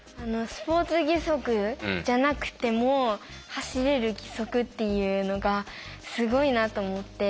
スポーツ義足じゃなくても走れる義足っていうのがすごいなと思って。